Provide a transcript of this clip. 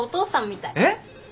えっ？